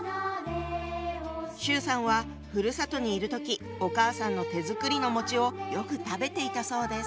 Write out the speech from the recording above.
周さんはふるさとにいる時お母さんの手作りのをよく食べていたそうです。